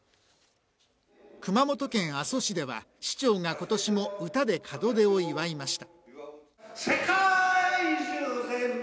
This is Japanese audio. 熊本県阿蘇市では、市長が今年も歌で門出を祝いました。